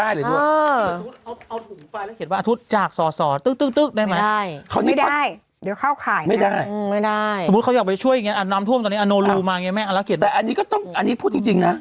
เห็นบึงอธุตจากศ